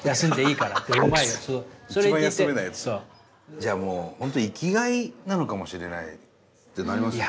じゃあもうほんと生きがいなのかもしれないってなりますよね。